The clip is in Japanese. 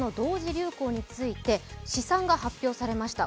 流行について、試算が発表されました。